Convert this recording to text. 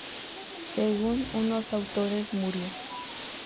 Según unos autores, murió.